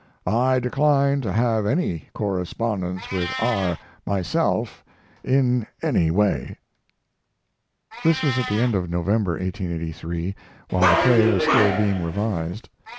I decline to have any correspondence with R. myself in any way. This was at the end of November, 1883, while the play was still being revised.